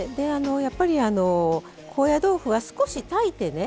やっぱりあの高野豆腐は少し炊いてね